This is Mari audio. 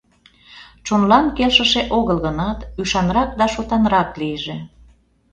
Чонлан келшыше огыл гынат, ӱшанрак да шотанрак лийже.